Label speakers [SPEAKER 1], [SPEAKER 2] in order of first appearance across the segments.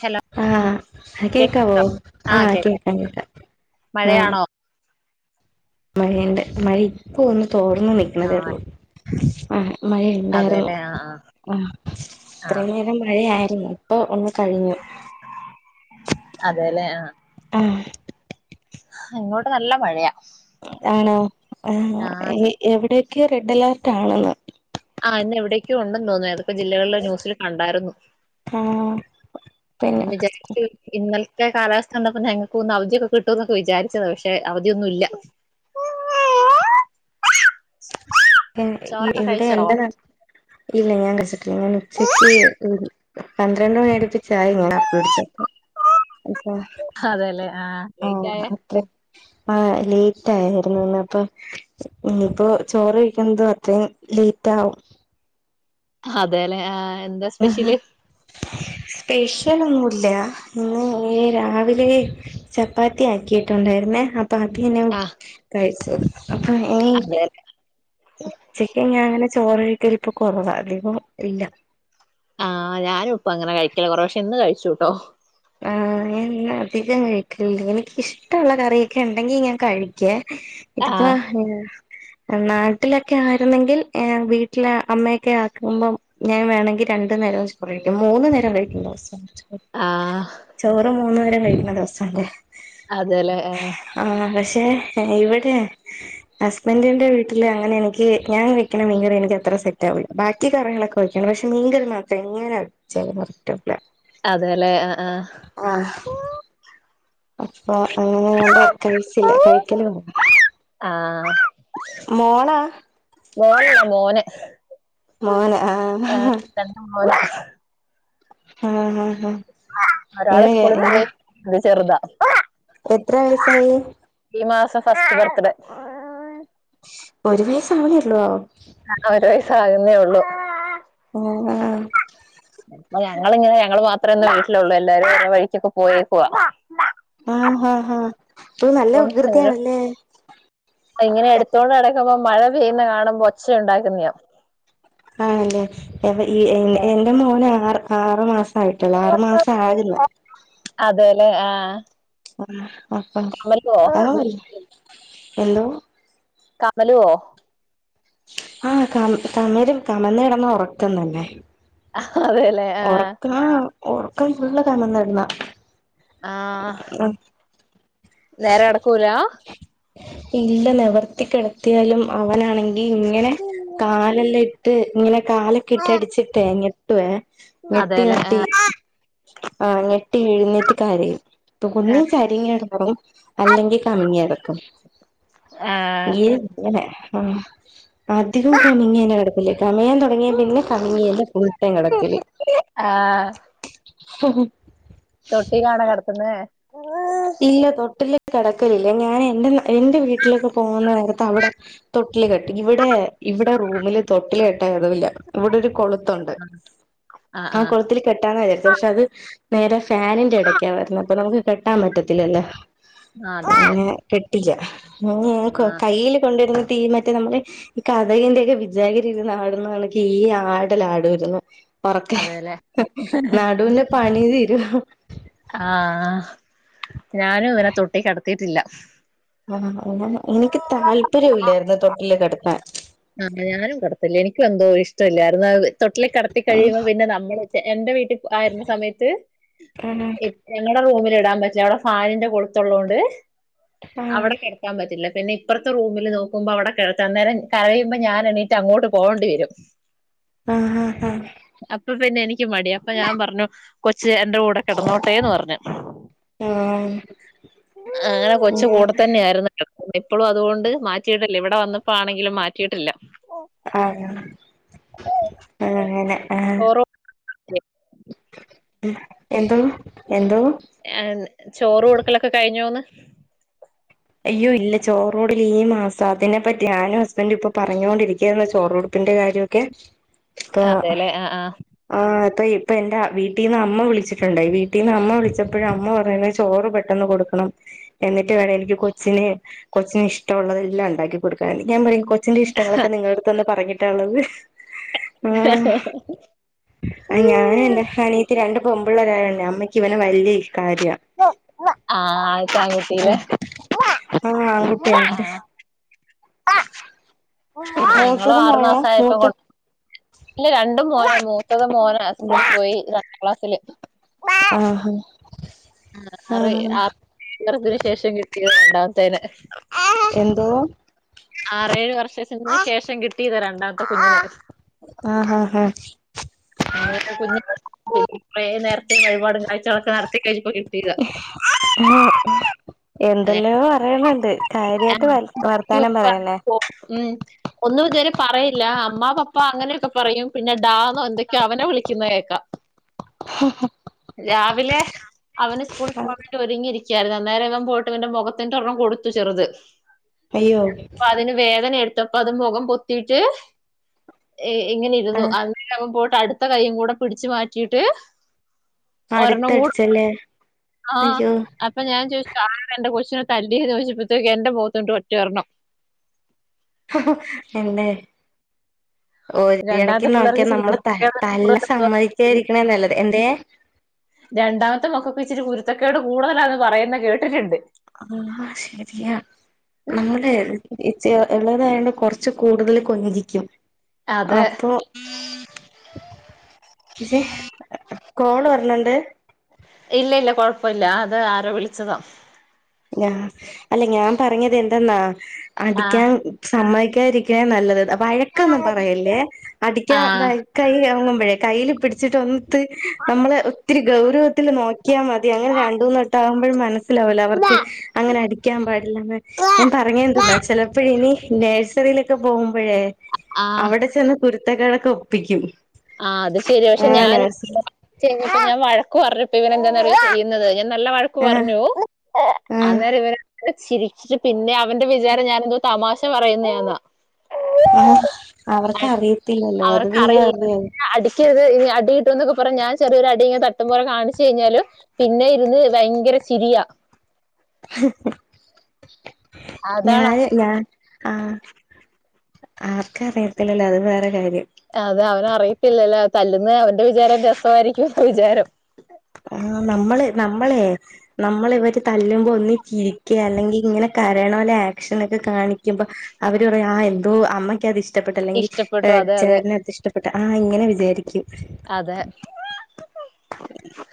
[SPEAKER 1] Hello
[SPEAKER 2] ആഹ്
[SPEAKER 1] കേക്ക്
[SPEAKER 2] കേക്കാവോ ആഹ് കേക്കാം കേക്കാം ആഹ്
[SPEAKER 1] മഴയാണോ
[SPEAKER 2] മഴയുണ്ട് മഴ ഇപ്പ ഒന്ന് തോ ചോർന്ന്
[SPEAKER 1] ആഹ്
[SPEAKER 2] നിൽക്കണതേള്ളൂ മഴയുണ്ടായിരുന്നു
[SPEAKER 1] അതെല്ലേ ആഹ് ആഹ്
[SPEAKER 2] ഉം
[SPEAKER 1] ആഹ്
[SPEAKER 2] ഇത്രേം നേരം മഴയായിരുന്നു ഇപ്പൊ ഒന്ന് കഴിഞ്ഞു
[SPEAKER 1] അതെല്ലേ
[SPEAKER 2] ഉം
[SPEAKER 1] ഇങ്ങോട്ട് നല്ല മഴയാ
[SPEAKER 2] ആണോ ആഹ് എ എവിടെ? ക്ക് റെഡ് അലേർട്ട് ആണ് ഇന്ന്
[SPEAKER 1] ആഹ് ഇന്നെവിടെക്കെയോ ഒണ്ടെന്ന് തോനുന്നു അത്. ജില്ലകളില് ന്യൂസില് കണ്ടായിരുന്നു
[SPEAKER 2] ആഹ്
[SPEAKER 1] ഞാൻ
[SPEAKER 2] പിന്നെ
[SPEAKER 1] വിചാരിച്ചു ഇന്നലെ [unintelligible] കാലാവസ്ഥ കണ്ടപ്പോ ഞങ്ങക്ക് ഒന്ന് അവധിയൊക്കെ കിട്ടൂന്നക്കെ വിചാരിച്ചതാ പക്ഷെ അവധിയൊന്നുവില്ല.
[SPEAKER 2] ഇവിടെ എന്റെ നാട്ടില് ഇല്ല ഞാൻ കഴിച്ചിട്ടില്ല ഞാൻ ഉച്ചക്ക് [unintelligible] പന്ത്രണ്ട് മണി അടിപ്പിച്ചായി [unintelligible] [unintelligible] ടിച്ചപ്പൊ
[SPEAKER 1] അതേല്ലേ ആ ലേറ്റ് ആയാ
[SPEAKER 2] ആ ലേറ്റ് ആയിരുന്നു ഇന്നപ്പം ഇപ്പോ ചോറ് കഴി [unintelligible] അത്രയും ലേറ്റ് ആകും
[SPEAKER 1] അതെല്ലേ ആ
[SPEAKER 2] ആഹാ സ്പെഷ്യലൊന്നുമില്ല ഇന്ന് രാവിലെ ചപ്പാത്തി ആക്കിയിട്ടുണ്ടായിരുന്നെ അ പ്പാത്തിതന്നെ
[SPEAKER 1] ആഹ്
[SPEAKER 2] കഴിച്ചു. [unintelligible]
[SPEAKER 1] അതെല്ലെ
[SPEAKER 2] ഉച്ചക്ക് ഞാൻ അങ്ങനെ ചോറ് കഴിക്കലിപ്പ കുറവാ അധികം ഇല്ല.
[SPEAKER 1] ആഹ് ഞാനും ഇപ്പൊ അങ്ങനെ കഴിക്കല് കൊറവ പക്ഷെ ഇന്ന് കഴിച്ചൂട്ടോ
[SPEAKER 2] ആഹ് ഞാൻ അധികം കഴിക്കൂലേ എനിക്കിഷ്ട്ടോള്ള കറിയൊക്കെ എണ്ടെങ്കി ഞാൻ കഴിക്കുവേ. ഇതിപ്പാ
[SPEAKER 1] ആഹ്
[SPEAKER 2] നാട്ടിലൊക്കെ ആയിരുന്നെങ്കിൽ വീട്ടിലെ അമ്മയൊക്കെ ആക്കുമ്പോം ഞാൻ വേണങ്കിൽ രണ്ടു നേരം ചോറ് കഴിക്കും മൂന്നു നേരം കഴിക്കും ദിവസം ചോറ്
[SPEAKER 1] ആഹ്
[SPEAKER 2] ചോറ് മൂന്ന് നേരം കഴിക്കുന്ന ദിവസണ്ട്
[SPEAKER 1] അതെലേ ആഹ്
[SPEAKER 2] ഏഹ് ഇവടെ ഹസ്ബൻഡിന്റെ വീട്ടില് അങ്ങനെ എൻക്കി ഞാൻ വെക്കണ മീൻകറി എനിക്ക് അത്ര സെറ്റ ആവില്ല ബാക്കി കറികളൊക്കെ വെക്കും പക്ഷെ മീൻ കറി മാത്രം എങ്ങനെ വെച്ചാലും കറക്റ്റ് അകൂല
[SPEAKER 1] അതെ ലെ ആഹ് ആഹ്
[SPEAKER 2] ആഹ് അപ്പൊ അങ്ങനെ [unintelligible]
[SPEAKER 1] ആഹ്
[SPEAKER 2] മോളാ
[SPEAKER 1] മോനല്ല മോന്
[SPEAKER 2] മോന അ
[SPEAKER 1] ഏ,
[SPEAKER 2] അഹ്
[SPEAKER 1] രണ്ട് മോന്
[SPEAKER 2] ആ ഹ ഹ
[SPEAKER 1] ഒരാള് സ്കൂളിൽ പോയി ചെറുതാ
[SPEAKER 2] എത്ര വയസായി
[SPEAKER 1] ഈ മാസം ഫസ്റ്റ് ബർത്ത്ഡേ
[SPEAKER 2] ഒരു വയസ്സ് ആവുന്നേള്ളൊ
[SPEAKER 1] ആ ഒരു വയസാകുന്നേ ഉള്ളു
[SPEAKER 2] ആഹ്
[SPEAKER 1] അപ്പൊ ഞങ്ങിങ്ങനെ ഞങ്ങള് മാത്രമേ ഇന്ന് വീട്ടിലുള്ളൂ എല്ലാരും ഓരേ വഴിക്കൊക്കെ പോയേക്കുവ
[SPEAKER 2] ആ ഹാ ഹാ ഇപ്പഴും നല്ല
[SPEAKER 1] അപ്പം ഇവര്
[SPEAKER 2] വികൃതിയാണല്ലേ
[SPEAKER 1] ഇങ്ങനെ എടുത്തോണ്ട് നടക്കുമ്പോ മഴ പെയ്യുന്ന കാണുമ്പോ ഒച്ച ഒണ്ടാക്കുന്നയാ
[SPEAKER 2] ആണല്ലേ എവ ഈ ഏഹ് എന്റെ മോന് ആറ് ആറ് മാസം ആയിട്ടുള്ളൂ ആറ് മാസം ആക്ന്ന്
[SPEAKER 1] അതേലേ ആഹ്
[SPEAKER 2] ആ ആപ്പ അതവല്ല ഹലോ
[SPEAKER 1] കമലുവോ
[SPEAKER 2] ആഹ് ക കമരും കമന്ന് കിടന്നാ ഒറക്കം തന്നെ
[SPEAKER 1] അതേല്ലേ ആഹ്
[SPEAKER 2] ഒറക്കം ഫുള്ള് കമന്നു കിടന്നാ
[SPEAKER 1] ആഹ് നേരെ നടക്കൂല
[SPEAKER 2] ഇല്ല നിവർത്തി കിടത്തിയാലും അവനാണെ നീ ഇങ്ങനെ കാലെല്ലാം ഇട്ട് ഇങ്ങനെ കാലൊക്കെ ഇട്ട് അടിച്ചിട്ടെ ഇങ്ങ ട്ടുവേ ഞെട്ടി
[SPEAKER 1] അതേലെ ആ
[SPEAKER 2] ഞെട്ടി ആ ഞെട്ടി എഴുന്നേറ്റ് കരയും തൂണീ ചാരിയും കെടന്നുറങ്ങും അല്ലെങ്കി കമങ്ങി കെടക്കും
[SPEAKER 1] ആ ആ
[SPEAKER 2] ആ അധികം കമിങ്ങനെ കെടപ്പില്ലേ കമിയാൻ തുടങ്ങിയ പിന്നെ കമങ്ങിയന്നെ ഫുൾ ടൈം കിടക്കല് [unintelligible]
[SPEAKER 1] തൊട്ടിലാണോ കിടത്തുന്നെ
[SPEAKER 2] ഇല്ല തൊട്ടിലിൽ കെടക്കില്ല ഞാനേ എന്റെ എന്റെ വീട്ടിലൊക്കെ പോകുന്ന നേരത്ത് അവടെ തൊട്ടില് കെട്ടും ഇവിടെ ഇവിടെ റൂമില് തൊട്ടില് കെട്ട എടവില്ല ഇവിടെ ഒരു കൊള ത്തൊണ്ട്
[SPEAKER 1] ആഹ്
[SPEAKER 2] ആ
[SPEAKER 1] ആഹ്
[SPEAKER 2] കൊളത്തില് കെട്ടാന്നാ വിചാരിച്ചെ പക്ഷെ അത് നേരെ ഫാനിന്റെ ഇടയ്ക്കാ വരുന്നെ അപ്പൊ നമുക്ക് കെട്ടാൻ പറ്റ റ്റില്ലല്ലോ
[SPEAKER 1] ആഹ് അതെ
[SPEAKER 2] ഇല്ല്യ ഉ ഉം കൊ കയ്യില് കൊണ്ടിരന്ന് ട്ടി ഈ മറ്റേ നമ്മക്ക് ഈ കതകിന്റെയൊക്കെ വിചാകിരി ഇരുന്നാടുകണക്ക് ഈ ആടലാടുവാരുന്നു
[SPEAKER 1] അതെല്ലേ ആഹ്
[SPEAKER 2] പൊറക്കെ
[SPEAKER 1] അതെല്ലെ
[SPEAKER 2] നടുവിന്റെ പണി തീരുവാ
[SPEAKER 1] ആഹ് ഞാനും ഇവനെ തൊട്ടി കെടത്തിട്ടില്ല
[SPEAKER 2] ആഹ അങ്ങനെ എനിക്ക് താല്പര്യല്ലായിരുന്നു തൊട്ടില് കിടത്താൻ
[SPEAKER 1] ഇഷ്ട്ടം ഇല്ലായിരുന്നു [unintelligible] തൊട്ടില കിടത്തി
[SPEAKER 2] ആ
[SPEAKER 1] കഴിയുമ്പോ പിന്നെ നമ്മള എന്റെ വീട്ടി ആയിരുന്ന സമയത്ത്
[SPEAKER 2] ആ
[SPEAKER 1] [unintelligible] അവിടെ റൂമില ഇടാൻ പറ്റില്ല അവിടെ ഫാനിന്റെ കൊടുത്തുള്ളോണ്ട്
[SPEAKER 2] ആ
[SPEAKER 1] അവിടെ കിടക്കാൻ പറ്റില്ല പിന്ന ഇപ്പറത്തെ റൂമിൽ നോക്കുമ്പോ അവിടെ കിടത്തന്നേരം കരയുബോ ഞാൻ എണീട്ട് അങ്ങോട്ട് പോകേണ്ടിവരും
[SPEAKER 2] ആഹ് ആഹ് ആ
[SPEAKER 1] ക്ക്‌ മടി അപ്പൊ ഞാൻ പറഞ്ഞു കൊച്ച് എന്റെ കൂടെ കിടന്നോട്ടേന്ന് പറഞ്ഞു അങ്ങനെ കൊച്ച കൂടെത്തന്നെയായിരുന്നു കിട [unintelligible] ഇപ്പോ അതുകൊണ്ട് മാറ്റിയിട്ടില്ല ഇവിടെ വന്നപ്പോ ആണെങ്കിലും മാറ്റിയിട്ടില്ല
[SPEAKER 2] ആ [unintelligible] അങ്ങനെ ആ
[SPEAKER 1] ഓറോ [unintelligible]
[SPEAKER 2] എന്തോ എന്തോ
[SPEAKER 1] ചോറ് കൊടുക്കലൊക്കെ കഴിഞ്ഞോന്ന്
[SPEAKER 2] അയ്യോ ഇല്ല ചോറോടൽ ഈ മാസം അതിനെപ്പറ്റി ഞാനും ഹസ്ബൻും ഇപ്പൊ പറഞ്ഞൊണ്ടിരിക്കയായിരുന്നു ചോറ കൊടുപ്പിന്റെ കാര്യമൊക്കെ അപ്പ
[SPEAKER 1] അതെല്ലേ ആ
[SPEAKER 2] ആഹ് ഇപ്പൊ ഇപ്പ എന്റെ വീട്ടിൽ നിന്ന് അമ്മ വിളിച്ചിട്ടുണ്ടായി വീട്ടിൽ നിന്ന് അമ്മ വിളിച്ചപ്പോഴും അമ്മ പറയ ചോറ് പെട്ടെന്ന് കൊടുക്കണം എന്നിട്ട് വേണം എനിക്ക് കൊ കൊച്ചിനന് കൊച്ചിന് ഇഷ്ടമുള്ളതെല്ലാം ഉണ്ടാക്കികൊടുക്കാൻ ഞാൻ പറയും കൊ ച്ചിന്റെ ഇഷ്ടങ്ങളൊെങ്ങളടു തന്ന് പറഞ്ഞ റ്റുള്ളത് ആ ഞാന എൻറെ അനീത്തി രണ്ട് പെമ്പിള്ളേര് അമ്മയ്ക്ക് ഇവനെ വല്യ ഇഷ
[SPEAKER 1] ആ ആദ്യത്ത ആൺകുട്ടിനെ
[SPEAKER 2] ആ ൺകുട്ടിയൊണ്ടേ
[SPEAKER 1] ങ്ങളും
[SPEAKER 2] മൂത്തത്
[SPEAKER 1] ആറു
[SPEAKER 2] മോളാ
[SPEAKER 1] മാസ ആയപ്പം കൊ
[SPEAKER 2] മൂത്ത
[SPEAKER 1] ഇല്ല രണ്ടും മോനാ മൂ ത്തത് മോന സ്കൂള് പോയി രണ്ടാം ക്ലാസ്സില്
[SPEAKER 2] ആഹാ
[SPEAKER 1] ഉം ആറെ
[SPEAKER 2] ആഹ്
[SPEAKER 1] ആറ് [unintelligible] ശേഷം കിട്ടിയ [inaudible] ഞാം തന്നെ
[SPEAKER 2] എന്തോ
[SPEAKER 1] ആറേ, ഏഴു വർഷത്തിന് ശേഷം കിട്ടിയതാ രണ്ടാമത്തെ കുഞ്ഞിനെ
[SPEAKER 2] ആഹ് ആഹ് ആഹ്
[SPEAKER 1] അങ്ങനെ കുഞ്ഞ് കൊറെ നേർച്ചെ വഴിപാടും കാഴ്ചകളൊക്കെ നടത്തി കഴി അതെ
[SPEAKER 2] എന്തെല്ലോ പറയണണ്ട് കാര്യായിട്ട് വ വർത്താനം പറയന്നെ
[SPEAKER 1] ഉം ഒന്നും ഇതുവരെ പറയില്ല അമ്മ പപ്പ അങ്ങനെയൊക്കെ പറയും പിന്നെ ഡാന്നോ എന്തൊ ക്ക്യാ അവനെ വിളിക്കുന്നേ കേക്കാ രാ വിലേ അവന് സ്കൂളിൽ പോവാൻ വേണ്ടി ഒരുങ്ങിരി ക്ക്യാര്ന്ന് അന്നേര ഇവൻ പോയിട്ട് ഇവന്റെ മുഖത്തിന്റെ ഒരെണം കൊട്ത്ത് ചെറുത്
[SPEAKER 2] അയ്യോ
[SPEAKER 1] അപ്പ അതിന് വേദന എടു ഇപ്പ അതും മുഖം പൊത്തീറ്റ്. ഇങ്ങനെ ഇരുന്നു
[SPEAKER 2] ആഹ്
[SPEAKER 1] അത്. [unintelligible] അടുത്ത കയ്യും കൂടെ പിടിച്ചു മാറ്റിട്ട്
[SPEAKER 2] അടുത്തടിച്ചല്ലേ
[SPEAKER 1] ആഹ്
[SPEAKER 2] അയ്യോ
[SPEAKER 1] അപ്പ ഞാ ഞാൻ ചോയിച്ച് ആ എന്റെ കൊച്ചിനെ തല്ലിയന്ന് ചോദിച്ചപ്പോഴത്തേക്ക് എന്റെ പോത്തുണ്ട് ഒറ്റ ഒരെണം.
[SPEAKER 2] എന്നെ ഒ ഇണക്കി
[SPEAKER 1] രണ്ടാമത്തെ പിള്ളേർക്ക്
[SPEAKER 2] നോക്കിയാൽ
[SPEAKER 1] ഇച്ചിരി
[SPEAKER 2] നമ്മള് ത
[SPEAKER 1] കുരുത്തക്കേട്
[SPEAKER 2] തല്ല
[SPEAKER 1] കൂടുതലാ
[SPEAKER 2] സമ്മതിച്ചതിരിക്കണ നല്ലത് എന്തെ
[SPEAKER 1] രുത്തകേട് കൂടുതലാന്ന് പറയുന്നെ കേട്ടിട്ടിണ്ട്.
[SPEAKER 2] ആഹ ശരിയാ നമ്മള് ഉള്ളതായണ്ട് കുറച്ച് കൂടുതൽ കൊഞ്ചി ജിക്കും.
[SPEAKER 1] അത്
[SPEAKER 2] അപ്പോ പക്ഷേ കോള് വെർണണ്ട്.
[SPEAKER 1] ഇല്ല ഇല്ല കൊഴപ്പ ഇല്ല അത് ആരോ വിളിച്ചതാ.
[SPEAKER 2] അല്ലെ ഞാൻ പറഞ്ഞത് എന്തെന്നാ അടിക്കാൻ
[SPEAKER 1] ആഹ്
[SPEAKER 2] സമായിക്ക് ക്കെതിരിക്കാനാല്ലത് വഴക്കൊന്നും പറയല്ലേ അടിക്കാൻ
[SPEAKER 1] ആഹ്
[SPEAKER 2] കയ്യൊങ്ങും പ വെ കയ്യില് പിടിച്ച വെച്ചിട്ട ഒംത്ത് നമ്മളെ ഒത്തിരി ഗൗരവത്തില് നോക്കിയാമതി അങ്ങന രണ്ടൂന്ന് വെട്ടാം [unintelligible] മനസ്സിലാവൂല. അവർ [unintelligible] അങ്ങനെ അടിക്കാൻ പറ്റ് അല്ലാതെ ഞാൻ പറഞ്ഞെന്ത്ന്ന
[SPEAKER 1] ആഹ്
[SPEAKER 2] ചെലപ്പ ഇനി നേഴ്സറിയിലൊക്കെ പോവുംമ്പഴേ
[SPEAKER 1] ആഹ്
[SPEAKER 2] അവിടെ ചെന്ന് കുരു കുരുത്തക്കേടൊക്കെ ഒപ്പിക്കും
[SPEAKER 1] ആ അത് ശെരിയാ പക്ഷെ
[SPEAKER 2] ആ
[SPEAKER 1] ഞാന്
[SPEAKER 2] നഴ്സറി
[SPEAKER 1] വെച്ച് ഞാൻ വഴ പറഞ്ഞപ്പ ഇവനെന്താന്നറിയോ ചെയ്യുന്നത് നല്ല വഴക്ക്
[SPEAKER 2] ആ
[SPEAKER 1] പറഞ്ഞു
[SPEAKER 2] ആ
[SPEAKER 1] അന്നേരം ഇവര് ചിരിച്ചിട്ട് പിന്നെ ആ അവന്റെ വിചാരം ഞാനെന്തോ തമാശ ക്ക് പറയുന്നെ അതാഹ്
[SPEAKER 2] ആഹ് അവർക്കറിയത്തില്ലല്ലോ അത്
[SPEAKER 1] അവർക്ക്
[SPEAKER 2] പിന്നെ
[SPEAKER 1] അറിയില്ല
[SPEAKER 2] പറ്ഞ്
[SPEAKER 1] അടിക്കരുത് ഇനി അടികിട്ടുന്നുക്കു അപ്പുറം ഞാൻ ചെറിയൊരു അടി ഇങ്ങെ തട്ടും പോലെ കാണിച്ചു കഴിഞ്ഞാലും പിന്നെ ഇരുന്ന് ഭയങ്കര ചിരിയാ അതാണ്
[SPEAKER 2] ഞാന് ഞാൻ ആഹ് ആർക്ക അറിയത്തില്ലല്ലോ അത് വേറെ കാര്യം.
[SPEAKER 1] തല്ലന്ന് അവന്റെ വിചാരം രസമായിരിക്കും വിചാരം.
[SPEAKER 2] ആ നമ്മള് നമ്മളെ നമ്മള ഇവര് തല്ലുമ്പോ ഒന്നിച്ചിരിക്കാ അല്ലെങ്കിൽ ഇങ്ങനെ കരണലെ ആക്ഷന ഒക്കെ കാണിക്കുമ്പോ അവര് പറയാ ആ എന്തോ അമ്മയ്ക്ക് അത്ഷ് ഇഷ്ടപ്പെട്ട് അല്ലെങ്കിൽ
[SPEAKER 1] ഇഷ്ടപ്പെട്ടു അതെ അതെ
[SPEAKER 2] ചേട്ടനത് ഇഷ്ടപ്പെട്ട ആ ഇങ്ങനെ വിചാരിക്കും
[SPEAKER 1] അതെ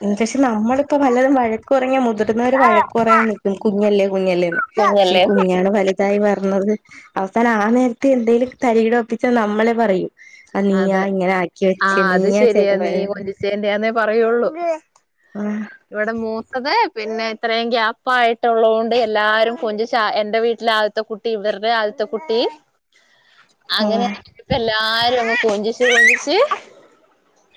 [SPEAKER 2] [unintelligible] നമ്മളിപ്പോ പലതും വഴക്കു പറഞാ മുതിർന്നൊര് വഴക്ക് പറയാൻ നിക്കും കുഞ്ഞല്ലേ കുഞ്ഞല്ലെന്ന് പഷെ
[SPEAKER 1] കുഞ്ഞല്ലേ
[SPEAKER 2] കുഞ്ഞാണ് വല്തായി വര് തിന്നത് അവസാന ആ നേരത്തെ എന്തേലും തരികിട ഒപ്പിച്ച നമ്മളെ പറയും. ആ നീയാ
[SPEAKER 1] അതെ
[SPEAKER 2] ഇങ്ങനെ ആക്കി
[SPEAKER 1] ആഹ
[SPEAKER 2] വെച്ചേ
[SPEAKER 1] അത്
[SPEAKER 2] നീയാ ചെ
[SPEAKER 1] ശെരിയാ നീ കൊഞ്ചിച്ചേന്റെന്നാ പറയുള്ളൂ.
[SPEAKER 2] ആ
[SPEAKER 1] ഇവിടെ മൂത്തത് പിന്നെ ഇത്രയും ഗ്യാപ്പാആയിട്ടുള്ളോണ്ട് എല്ലാരും കൊഞ്ചിച്ച് എന്റെ വീട്ടിലെ ആദ്യത്തെ കുട്ടി ഇവര്ടെ ആദ്യത്തെ കുട്ടി
[SPEAKER 2] ആ
[SPEAKER 1] അങ്ങനെപ്പല്ലാരും കൊഞ്ചിച്ച് കൊഞ്ചിച്ച്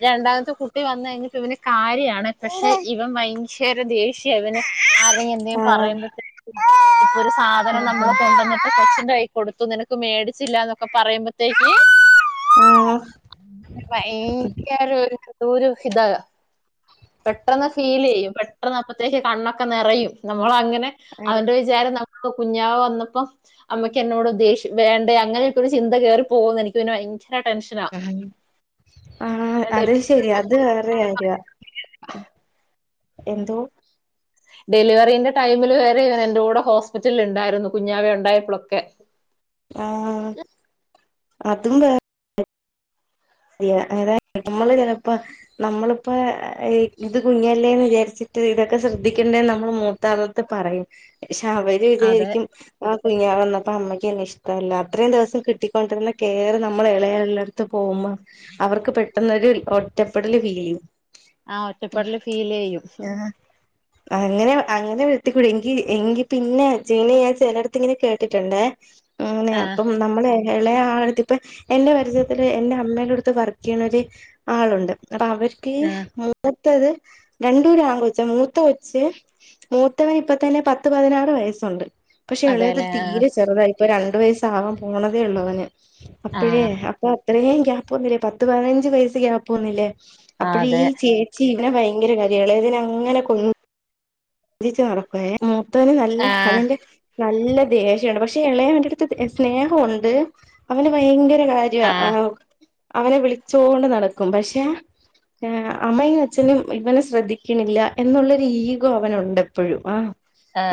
[SPEAKER 1] രണ്ടാമത്തെ കുട്ടി വന്ന് കഴിഞ്ഞിട്ട് ഇവന് കാര്യാണ് പക്ഷെ ഇവൻ ഭയങ്കര ദേഷ്യ ഇവന് [inaudible] എന്തേം
[SPEAKER 2] ആ
[SPEAKER 1] പറയുമ്പത്തേ ഒരു സാധനം നമ്മള്
[SPEAKER 2] ഉം
[SPEAKER 1] കൊണ്ടുവന്നിട്ട് കൊ ന്തായി കൊടുത്തു നിനക്ക് മേടിച്ചില്ലാന്നൊക്കെ പറയുമ്പോത്തേക്ക്
[SPEAKER 2] ആഹ്
[SPEAKER 1] ഭയങ്കര ഒരു ദൂരു ഹിത പെട്ടെന്ന് ഫീല് ചെയ്യും പെട്ടെന്ന് അപ്പത്തേക്ക് കണ്ണൊക്കെ നെറയും നമ്മളങ്ങനെ
[SPEAKER 2] അറി
[SPEAKER 1] അവന്റെ വിചാരം ന പ്പൊ കുഞ്ഞാവ വന്നപ്പോ അമ്മക്ക് എന്നോട് ദേശ്യ വേണ്ടയ അങ്ങനെയൊക്കെ ഒരു ചിന്ത കേറി പോന്ന് എനിക്ക് പിന്നെ ഭയങ്ക
[SPEAKER 2] ആഹ് ആ അത് ശരിയാ അത് വേറെ കാര്യാ എന്തോ
[SPEAKER 1] ഡെലിവറിന്റെ ടൈമില് വരെ ഇവൻ എന്റെ കൂടെ ഹോസ്പിറ്റലിൽ ഇണ്ടായിരുന്നു കുഞ്ഞാവ ഒ ഉണ്ടായപ്പോളൊക്കെ
[SPEAKER 2] ആഹ് അതും വേ [unintelligible] മ്മള് ചെലപ്പോ നമ്മളിപ്പോ ഇത് കുഞ്ഞല്ലേന്ന് വിചാരിച്ചിട്ട് ഇതൊക്കെ ശ്രദ്ധിക്കേണ്ടന്ന് നമ്മൾ മൂത്താളത്ത് പറയും ക്ഷവര്
[SPEAKER 1] അതെ
[SPEAKER 2] വിചാരിക്കും വ കുഞ്ഞ്യാവന്നപ്പോ അമ്മക്ക്ന്നെ ഇഷ്ടമല്ല അത്രയും ദെവസം കിട്ടിക്കൊണ്ടിരുന്ന കെയറ് നമ്മള് ഇളയാൾടടുത്ത് പോവുമ്മം അവർക്ക് പെ ട്ടെന്നൊരു ഒറ്റപ്പെടല് ഫീലിയ്യും
[SPEAKER 1] ആഹ് ഒറ്റപ്പെടല് ഫീലെയ്യും
[SPEAKER 2] ആഹ് അങ്ങനെ അങ്ങനെ ഴത്തികുഴി എങ്കി എങ്കി പിന്നെ ച്ചീനീ ഞാൻ ചെലടത്ത് ഇങ്ങനെ കേട്ടിട്ട്ണ്ടേ ങ്ങനെ
[SPEAKER 1] ആ
[SPEAKER 2] അപ്പം നമ്മളെ ഇളയാണ് ഇതിപ്പ എന്റെ പരിചയത്തില് എന്റെ അമ്മേടടു ത്ത് വർക്കെയ്യണ ഒര് ആളൊണ്ട് അപ്പ അവര്ക്ക്
[SPEAKER 1] ആ,
[SPEAKER 2] മൂ ത്തത് രണ്ടോര് ആങ്കൊച്ച് മൂത്ത കൊച്ച് മൂത്തവനിപ്പ തന്നെ പത്ത് പതിനാറ് വയസ്സൊണ്ട് പക്ഷെ എളയത്
[SPEAKER 1] അതെല്ലേ ആ,
[SPEAKER 2] തീരെ ചെറുതായി പ്പ രണ്ട് വയസ്സാവാൻ പോണതേ ഉള്ളൂ അവന്
[SPEAKER 1] ആ
[SPEAKER 2] അപ്പഴേ അപ്പൊ അത്രേം ഗ്യാ പോന്നില്ലേ പത്ത് പതിനഞ്ച് വയസ്സ് ഗ്യാപ്പ് വന്നില്ലേ
[SPEAKER 1] ആ,
[SPEAKER 2] അപ്പഴേ
[SPEAKER 1] അതെ
[SPEAKER 2] ഈ ചേച്ചി വന് ഭയങ്കര കാര്യാ എളേതിനങ്ങനെ കൊ ഞ്ചിച്ച് നടക്കു [unintelligible] ത്തോന് നല്ല
[SPEAKER 1] ആ
[SPEAKER 2] അതിന്റെ നല്ല ദേഷണ്ട് പക്ഷെ എളയവന്റെ അടുത്ത് സ്നേഹുണ്ട് അവന് ഭയങ്കര കാര്യ
[SPEAKER 1] ആ ആ,
[SPEAKER 2] ആ അവനെ വിളിച്ചോണ്ട് നടക്കും പക്ഷെ അമ്മയും അച്ഛനും ഇവനെ ശ്രദ്ധിക്കണില്ല എന്നുള്ളൊരു ഈഗോ അവനുണ്ട് എപ്പോഴും ആ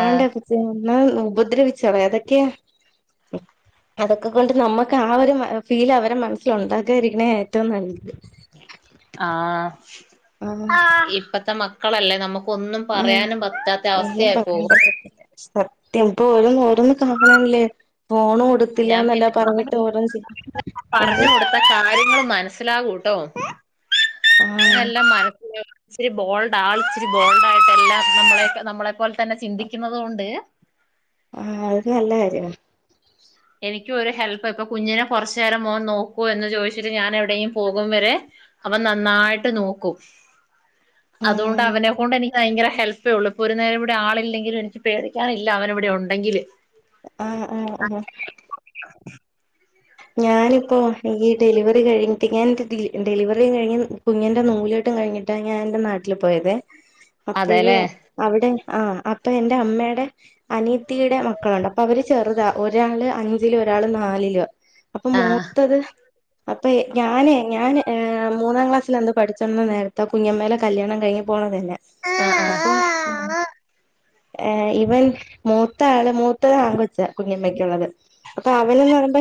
[SPEAKER 2] ആണ്ടേ അപ്പച്ചനും എന്ന ഉപദ്രവിച്ച അതൊക്കെ അതൊക്കെ കൊണ്ട് നമ്മുക്ക് ആ ഒരു ഫീൽ അവരെ മനസിലുണ്ട ക്കാതിരിക്കണെ ഏറ്റവും നല്ലത്.
[SPEAKER 1] ആഹ്
[SPEAKER 2] ആ
[SPEAKER 1] ഇപ്പത്ത മക്ക മക്കളല്ലേ നമു ഒന്നും
[SPEAKER 2] ആ
[SPEAKER 1] പറയാനും പറ്റാത്ത
[SPEAKER 2] ഒന്നും
[SPEAKER 1] അവസ്ഥയായി
[SPEAKER 2] പറയാൻ
[SPEAKER 1] പോകും.
[SPEAKER 2] പറ്റത്തില്ല സത്യം ഇപ്പൊ ഓരോ ഓരോന്നും കാണുമ്പോളാണ്ലെ
[SPEAKER 1] ഞാൻ പിന്നെ അവൻ
[SPEAKER 2] ചെയ്യ
[SPEAKER 1] [unintelligible]
[SPEAKER 2] എന്തോ
[SPEAKER 1] പറഞ്ഞു കൊടുത്ത കാര്യങ്ങൾ മനസ്സിലാവു ട്ടോ
[SPEAKER 2] ആഹ്
[SPEAKER 1] അവനെല്ലാം മനസ്സില ഇച്ചിരി ബോൾഡ് ആൾ ഇച്ചിരി ബോൾഡ് ആയിട്ടെല്ലാം നമ്മള നമ്മളെ പോലെ തന്നെ ചിന്തിക്കുന്നത് കൊണ്ട്
[SPEAKER 2] ആഹ് അത് നല്ല കാര്യാ.
[SPEAKER 1] എനിക്കും ഒരു ഹെല്പ്പ് ഇപ്പൊ കുഞ്ഞിനെ കുറച്ചു നേരം മോൻ നോക്കോ എന്ന് ചോദിച്ചിട്ട് ഞാൻ എവിടെയും പോകും വരെ അവൻ നന്നായിട്ട് നോക്കും. അതുകൊണ്ട്
[SPEAKER 2] ആഹ്
[SPEAKER 1] അവനെക്കൊണ്ട് എനിക്ക് ഭയങ്കര ഹെൽപ്പേ ഉള്ളൂ ഇപ്പൊ ഒരു നേരം ഇവിടെ ആളില്ലെങ്കിലും എനിക്ക് പേടിക്കാനില്ല അവൻ ഇവിടെ ഉണ്ടെങ്കില്.
[SPEAKER 2] ആഹ് ആഹ് ആ ഞാനിപ്പോ ഈ ഡെലിവറി കഴിഞ്ഞിട്ട് ഞാൻ ഡെലിവറിം കഴിഞ്ഞ് കുഞ്ഞിൻ്റെ നൂല്കെട്ടും കഴിഞ്ഞിട്ടാ ഞാൻ എന്റെ നാട്ടില് പോയതേ. അപ്പഴേ
[SPEAKER 1] അതെല്ലേ
[SPEAKER 2] അവിടെ ആഹ് അപ്പൊ എന്റെ അമ്മേടെ അനിത്തിടെ മക്കളുണ്ട്, അപ്പൊ അവര് ചെറുതാ, ഒരാള് അഞ്ചിലും ഒരാള് നാലിലാ. അപ്പൊ
[SPEAKER 1] ആഹ്
[SPEAKER 2] മൂത്തത് അപ്പ ഞാനേ ഞാൻ ഏഹ് മൂന്നാം ക്ലാസ്സിലെന്തോ പഠിച്ചോണ്ടിരുന്ന നേരത്ത് കുഞ്ഞമേടെ കല്യാണം കഴിഞ്ഞി പോണ്. അല്ല
[SPEAKER 1] ആഹ്
[SPEAKER 2] അപ്പൊ
[SPEAKER 1] ആഹ് ആ
[SPEAKER 2] ഏ ഇവൻ മൂത്തആള് മൂത്തത് ആൺ കൊച്ചാ കുഞ്ഞമ്മക്കുള്ളത് അപ്പൊ അവനെന്ന് പറയുമ്പെ